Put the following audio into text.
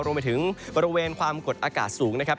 รวมไปถึงบริเวณความกดอากาศสูงนะครับ